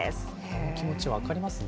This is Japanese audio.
その気持ち分かりますね。